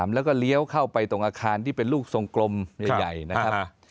แล้วก็เลี้ยวเข้าไปตรงอาคารที่เป็นลูกทรงกลมใหญ่นะครับ